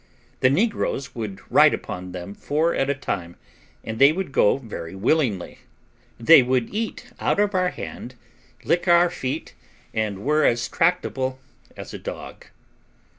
The negroes would ride upon them four at a time, and they would go very willingly. They would eat out of our hand, lick our feet, and were as tractable as a dog.